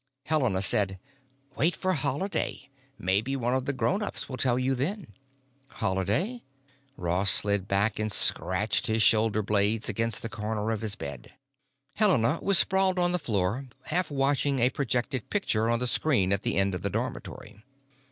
Helena said, "Wait for Holiday. Maybe one of the grownups will tell you then?" "Holiday?" Ross slid back and scratched his shoulder blades against the corner of his bed. Helena was sprawled on the floor, half watching a projected picture on the screen at the end of the dormitory.